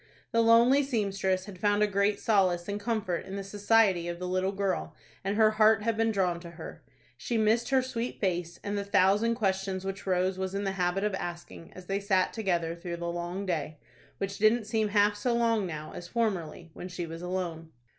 The lonely seamstress had found a great solace and comfort in the society of the little girl, and her heart had been drawn to her. She missed her sweet face, and the thousand questions which Rose was in the habit of asking as they sat together through the long day, which didn't seem half so long now as formerly, when she was alone.